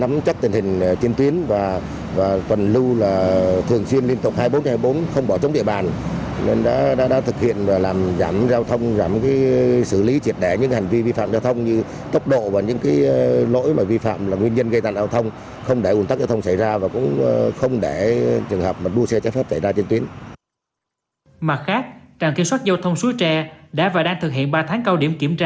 mặt khác trạm kiểm soát giao thông suối tre đã và đang thực hiện ba tháng cao điểm kiểm tra